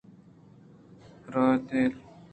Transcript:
رئوت ہیل